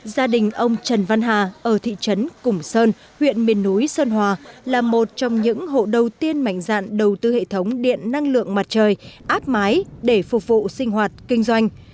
gia đình ông trần văn hà ở thị trấn củng sơn huyện miền núi sơn hòa là một trong những hộ đầu tiên mạnh dạn đầu tư hệ thống điện năng lượng mặt trời áp mái để phục vụ sinh hoạt kinh doanh